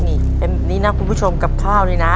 ในปรุงคุณผู้ชมกับข้าวนี้นะคะ